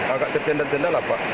agak tercendal cendal pak